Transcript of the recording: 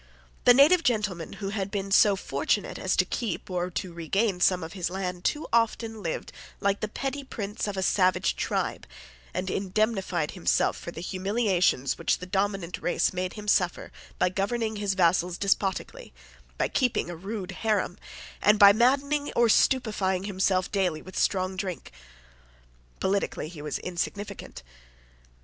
The native gentleman who had been so fortunate as to keep or to regain some of his land too often lived like the petty prince of a savage tribe, and indemnified himself for the humiliations which the dominant race made him suffer by governing his vassals despotically, by keeping a rude haram, and by maddening or stupefying himself daily with strong drink. Politically he was insignificant.